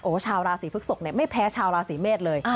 โอ้ชาวราศสีพึกศกเนี่ยไม่แพ้ชาวราศสีเมศเลย